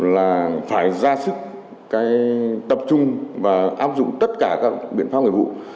là phải ra sức tập trung và áp dụng tất cả các biện pháp nghiệp vụ